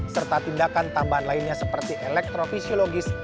serta tindakan tambahan lainnya seperti elektrofisiologis